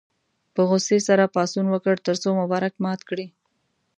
په غوسې سره پاڅون وکړ تر څو مبارک مات کړي.